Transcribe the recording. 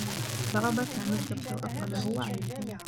ضرب سامي الكبش و أفقده وعيه.